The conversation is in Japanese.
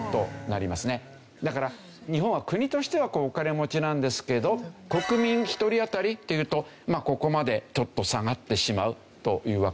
だから日本は国としてはお金持ちなんですけど国民１人当たりっていうとここまでちょっと下がってしまうというわけですね。